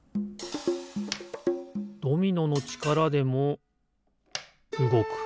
ドミノのちからでもうごく。